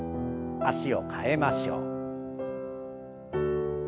脚を替えましょう。